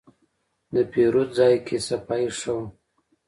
د پیرود ځای کې صفایي ښه وه.